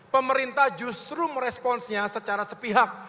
pemerintah justru meresponsnya secara sepihak